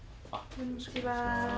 こんにちは。